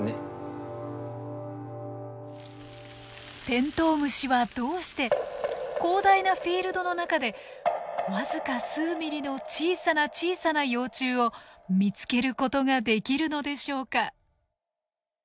テントウムシはどうして広大なフィールドの中で僅か数ミリの小さな小さな幼虫を見つけることができるのでしょうか？